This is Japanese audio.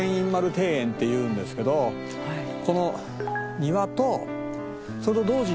庭園っていうんですけどこの庭とそれと同時に石垣。